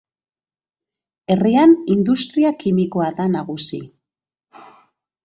Herrian industria kimikoa da nagusi.